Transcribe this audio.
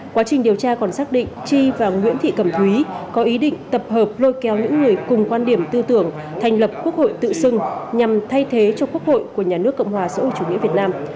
quá trình điều tra còn xác định chi và nguyễn thị cẩm thúy có ý định tập hợp lôi kéo những người cùng quan điểm tư tưởng thành lập quốc hội tự xưng nhằm thay thế cho quốc hội của nhà nước cộng hòa xã hội chủ nghĩa việt nam